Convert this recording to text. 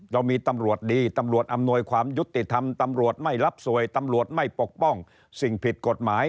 เรามีตำรวจดีตำรวจอำนวยความยุติธรรมตำรวจไม่รับสวยตำรวจไม่ปกป้องสิ่งผิดกฎหมาย